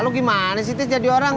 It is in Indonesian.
lo gimana sih tis jadi orang